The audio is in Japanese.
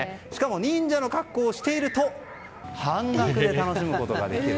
忍者の格好をしていると半額で楽しめることができる。